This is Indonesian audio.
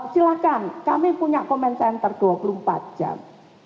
silahkan kami punya comment center dua puluh empat jam